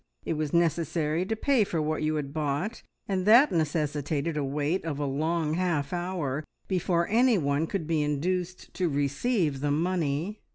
It was necessary to pay for what you had bought, and that necessitated a wait of a long half hour before anyone could be induced to receive the money.